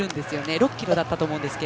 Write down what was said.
６ｋｍだったと思いますが。